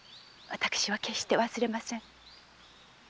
私は決して忘れません。